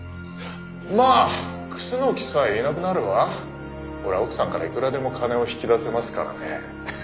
まあ楠木さえいなくなれば俺は奥さんからいくらでも金を引き出せますからねえ。